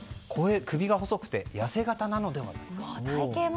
首が細くて痩せ形なのではと。